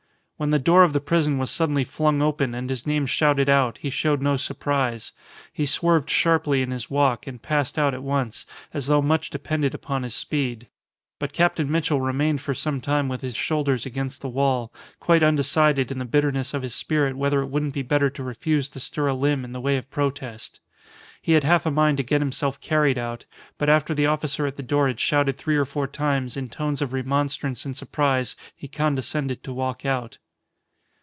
When the door of the prison was suddenly flung open and his name shouted out he showed no surprise. He swerved sharply in his walk, and passed out at once, as though much depended upon his speed; but Captain Mitchell remained for some time with his shoulders against the wall, quite undecided in the bitterness of his spirit whether it wouldn't be better to refuse to stir a limb in the way of protest. He had half a mind to get himself carried out, but after the officer at the door had shouted three or four times in tones of remonstrance and surprise he condescended to walk out.